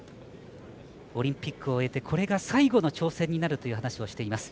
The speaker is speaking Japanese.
オリンピック終えてこれが最後の挑戦になるという話をしています。